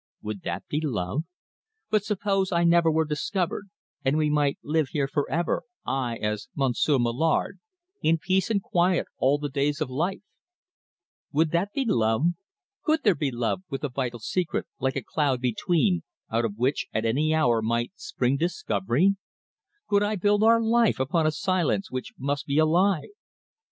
Would that be love? But suppose I never were discovered, and we might live here for ever, I as 'Monsieur Mallard,' in peace and quiet all the days of our life? Would that be love?... Could there be love with a vital secret, like, a cloud between, out of which, at any hour, might spring discovery? Could I build our life upon a silence which must be a lie?